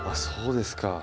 そうですか。